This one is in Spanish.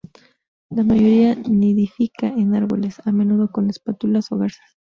La mayoría nidifica en árboles, a menudo con espátulas o garzas.